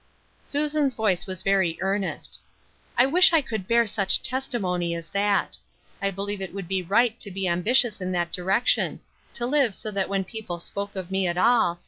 Susan's voice was very earnest. " I wish I could bear such testimony as that. I believe it would be right to be ambitious in that direction • to live so that when people spoke of me at all.